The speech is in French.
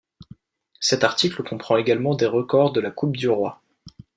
Cet article comprend également des records de la Coupe du Roi.